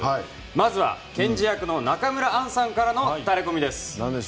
まずは検事役の中村アンさんからのタレコミです。